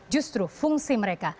justru fungsi mereka